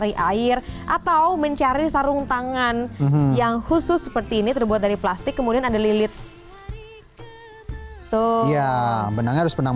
yang khusus seperti ini terbuat dari plastik kemudian ada lilit tuh benangnya harus benang